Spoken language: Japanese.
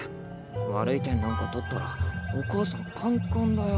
悪い点なんか取ったらお母さんカンカンだよ。